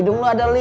ndung lo ada li